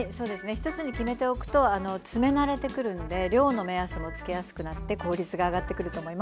１つに決めておくとあの詰め慣れてくるので量の目安もつけやすくなって効率が上がってくると思います。